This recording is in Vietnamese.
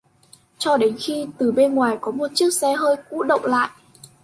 Cho đến khi từ bên ngoài có một chiếc xe hơi cũ đậu lại